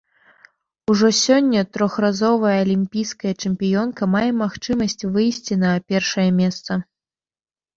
Ужо сёння трохразовая алімпійская чэмпіёнка мае магчымасць выйсці на першае месца.